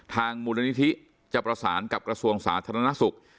มูลนิธิจะประสานกับกระทรวงสาธารณสุข